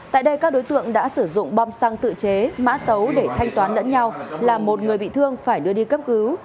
tại đây các đối tượng đã sử dụng bom xăng tự chế mã tấu để thanh toán lẫn nhau làm một người bị thương phải đưa đi cấp cứu